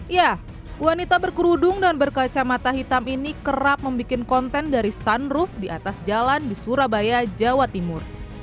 ya wanita berkerudung dan berkaca mata hitam ini kerap membuat konten dari sunroof di atas jalan di surabaya jawa timur